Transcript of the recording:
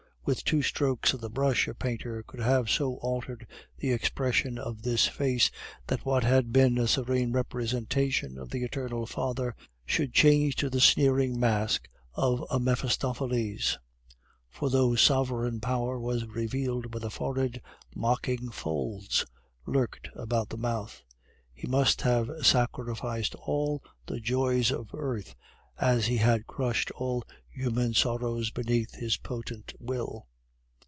With two strokes of the brush a painter could have so altered the expression of this face, that what had been a serene representation of the Eternal Father should change to the sneering mask of a Mephistopheles; for though sovereign power was revealed by the forehead, mocking folds lurked about the mouth. He must have sacrificed all the joys of earth, as he had crushed all human sorrows beneath his potent will.